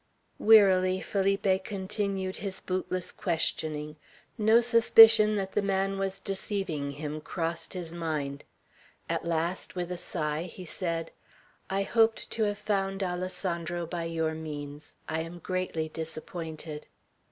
Wearily Felipe continued his bootless questioning. No suspicion that the man was deceiving him crossed his mind. At last, with a sigh, he said, "I hoped to have found Alessandro by your means. I am greatly disappointed.